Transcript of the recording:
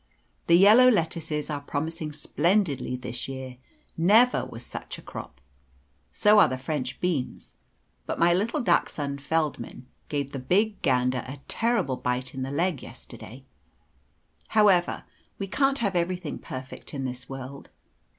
The yellow lettuces are promising splendidly this year never was such a crop; so are the French beans; but my little dachshund, Feldmann, gave the big gander a terrible bite in the leg yesterday. However, we can't have everything perfect in this world.